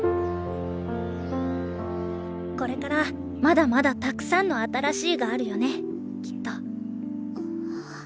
これからまだまだたくさんの新しいがあるよねきっと。